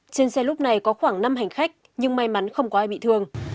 trên xe lúc này có khoảng năm hành khách nhưng may mắn không có ai bị thương